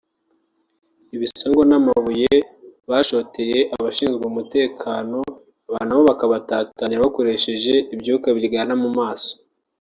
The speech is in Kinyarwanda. ibisongo n’amabuye bashotoye abashinzwe umutekano aba nabo bakabatatanya bakoresheje ibyuka biryana mu maso